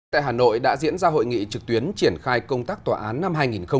tại hà nội đã diễn ra hội nghị trực tuyến triển khai công tác tòa án năm hai nghìn hai mươi